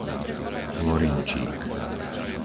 Lorinčík